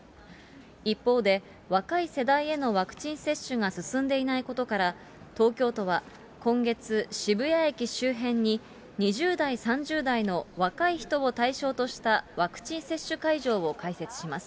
一方で若い世代へのワクチン接種が進んでいないことから東京都は今月、渋谷駅周辺に２０代、３０代の若い人を対象としたワクチン接種会場を開設します。